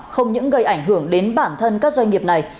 không những gây ảnh hưởng đến bản thân các doanh nghiệp này